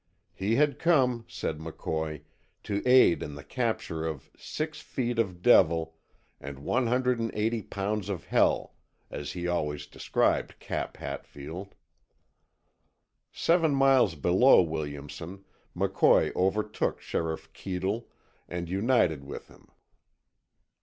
He had come, said McCoy, to aid in the capture of "six feet of devil, and 180 pounds of hell," as he always described Cap Hatfield. Seven miles below Williamson, McCoy overtook Sheriff Keadle, and united with him.